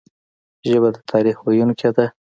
ژبه د تاریخ ویونکي ده